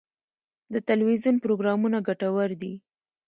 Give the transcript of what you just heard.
د تلویزیون پروګرامونه ګټور دي.